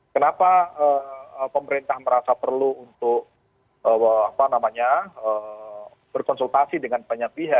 kenapa pemerintah merasa perlu untuk berkonsultasi dengan banyak pihak